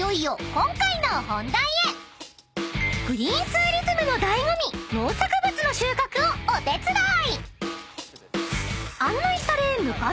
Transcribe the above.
［グリーンツーリズムの醍醐味農作物の収穫をお手伝い！］